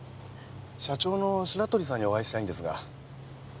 社長の白鳥さんにお会いしたいんですが。